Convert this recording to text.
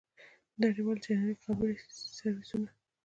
په نړیوالو چېنلونو کې خبري سرویسونه.